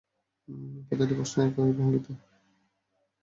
প্রতিটি প্রশ্ন একই ভঙ্গিতে করা হচ্ছে।